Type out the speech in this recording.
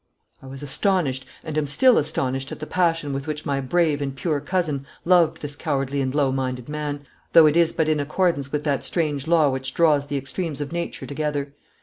I was astonished and am still astonished at the passion with which my brave and pure cousin loved this cowardly and low minded man, though it is but in accordance with that strange law which draws the extremes of nature together.